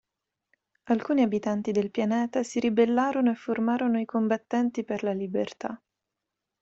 Alcuni abitanti del pianeta si ribellarono e formarono i "Combattenti per la libertà".